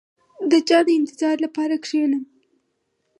• د چا د انتظار لپاره کښېنه.